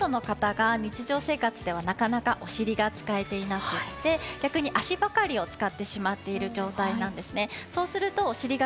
ほとんどの方が日常生活の中でお尻を使えていなくて、逆に脚ばかりを使ってしまっている状態なんですね。